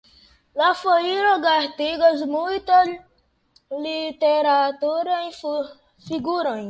La foiro gastigas multajn literaturajn figurojn.